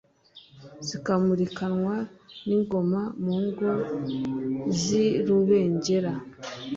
Zikamurikanwa n' ingoma, Mu ngo z' i Rubengera;